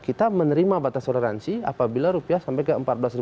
kita menerima batas toleransi apabila rupiah sampai ke empat belas lima ratus